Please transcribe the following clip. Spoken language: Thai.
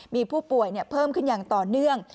มีผู้ป่วยเพิ่มขึ้นอย่างต่อเนื่อง